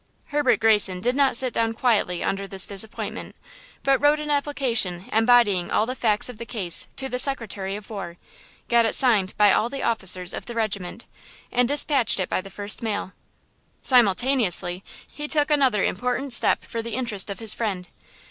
Herbert Greyson did not sit down quietly under this disappointment, but wrote an application embodying all the facts of the case to the Secretary of War, got it signed by all the officers of the regiment and despatched it by the first mail. Simultaneously he took another important step for the interest of his friend.